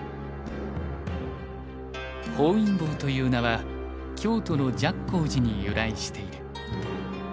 「本因坊」という名は京都の寂光寺に由来している。